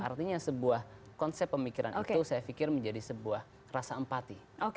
artinya sebuah konsep pemikiran itu saya pikir menjadi sebuah rasa empati